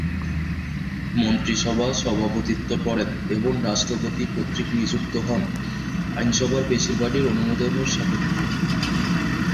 মন্ত্রিসভা সভাপতিত্ব করেন এবং রাষ্ট্রপতি কর্তৃক নিযুক্ত হন, আইনসভার বেশিরভাগের অনুমোদনের সাপেক্ষে।